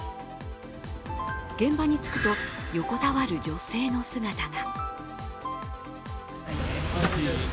現場に着くと、横たわる女性の姿が。